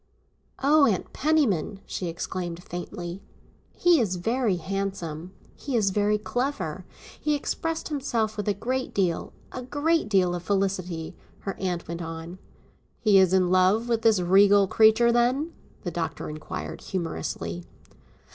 "Oh, Aunt Penniman!" she exclaimed faintly. "He is very handsome; he is very clever; he expressed himself with a great deal—a great deal of felicity," her aunt went on. "He is in love with this regal creature, then?" the Doctor inquired humorously.